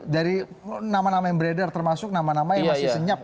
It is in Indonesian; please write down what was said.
dari nama nama yang beredar termasuk nama nama yang masih senyap